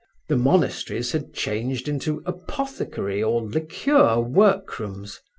The monasteries had changed into apothecary or liqueur workrooms.